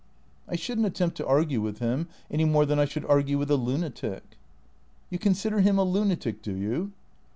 " I should n't attempt to argue with him, any more than I should argue with a lunatic." " You consider him a lunatic, do you